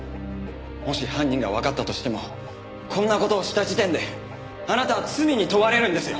もし犯人がわかったとしてもこんな事をした時点であなたは罪に問われるんですよ！